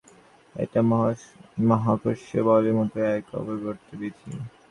এটা মহাকর্ষীয় বলের মতোই এক অপরিবর্তনীয় বিধি।